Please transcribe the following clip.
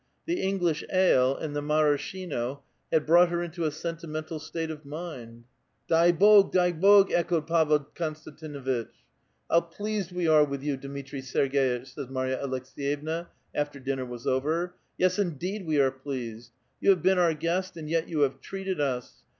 The English ale and the maraschino had brought her into a sentimental state of mind. *'^ Dai Bog! da% Bog!*' echoed Pavel Konstantinuitch. " How pleased we are with you, Dmitri Serg^itch," says Marya Aleks^yevna after dinner was over; "yes, indeed we are pleased. You have been our guest and yet you have treated us